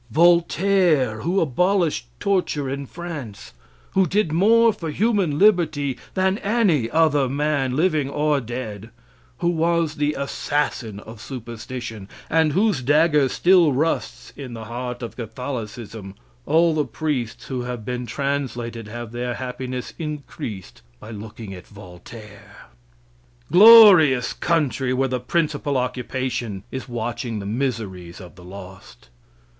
Voltaire, who abolished torture in France; who did more for human liberty than any other man, living or dead; who was the assassin of superstition, and whose dagger still rusts in the heart of Catholicism all the priests who have been translated have their happiness increased by looking at Voltaire. Glorious country where the principal occupation is watching the miseries of the lost.